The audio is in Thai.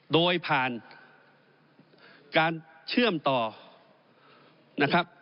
โดยผ่านการเชื่อมต่อนะครับ